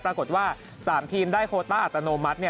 ปรากฏว่า๓ทีมได้โคต้าอัตโนมัติ